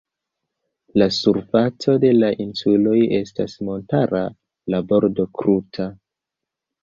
La surfaco de la insuloj estas montara, la bordo kruta.